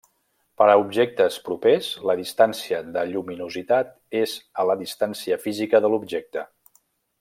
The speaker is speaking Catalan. Per a objectes propers, la distància de lluminositat és a la distància física de l'objecte.